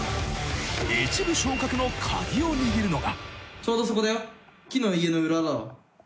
１部昇格のカギを握るのが。